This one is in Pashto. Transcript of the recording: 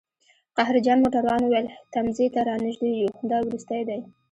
قهرجن موټروان وویل: تمځي ته رانژدي یوو، دا وروستی دی